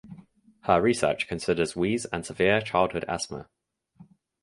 Her research considers wheeze and severe childhood asthma.